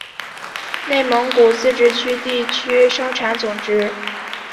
内蒙古自治区地区生产总值